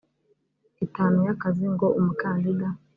itanu y akazi ngo umukandida